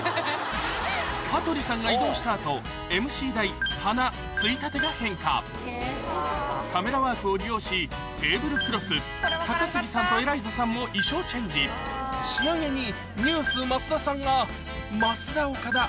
羽鳥さんが移動した後ＭＣ台花衝立が変化カメラワークを利用しテーブルクロス高杉さんとエライザさんも衣装チェンジ仕上げにＮＥＷＳ・増田さんがますだおかだ